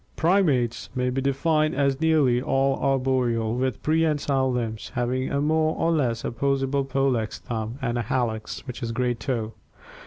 — Primates may be defined as nearly all arboreal, with prehensile limbs, having a more or less opposable pollex (thumb) and hallux (great toe).